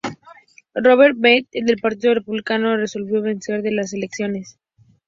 Robert J. Bentley del partido Republicano resultó vencedor en las elecciones.